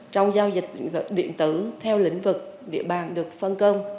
trong giao dịch điện tử theo lĩnh vực địa bàn được phân công